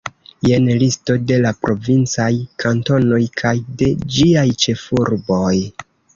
Jen listo de la provincaj kantonoj kaj de ĝiaj ĉefurboj.